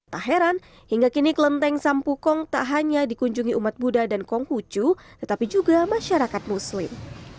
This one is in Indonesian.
tak heran hingga kini kelenteng sampukong tak hanya dikunjungi umat buddha dan konghucu tetapi juga masyarakat muslim